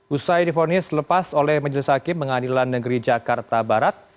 usai difonis lepas oleh majelis hakim pengadilan negeri jakarta barat